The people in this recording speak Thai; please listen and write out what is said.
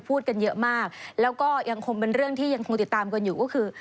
พูดกันเยอะมากแล้วก็ยังคงเป็นเรื่องที่ยังคงติดตามกันอยู่ก็คือ